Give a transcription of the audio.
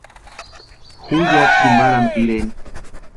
Ju ya tsimarhani pireni.